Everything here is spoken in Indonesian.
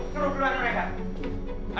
seru keluar dari mereka